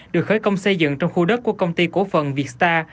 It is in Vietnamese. được khởi công xây dựng trong khu đất của công ty cổ phần vietstar